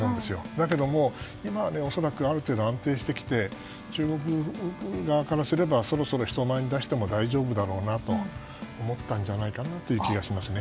だけど、今は恐らくある程度、安定してきて中国側からすればそろそろ人前に出しても大丈夫だろうなと思ったんじゃないかなという気がしますね。